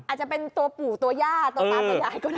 อาจจะเป็นตัวปู่ตัวย่าตัวตาตัวยายก็ได้